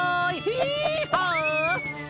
ヒーハー！